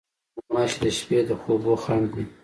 غوماشې د شپې د خوبو خنډ دي.